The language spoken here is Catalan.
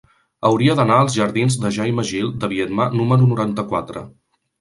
Hauria d'anar als jardins de Jaime Gil de Biedma número noranta-quatre.